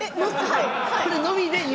はい！